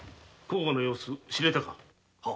甲賀の様子知れたか？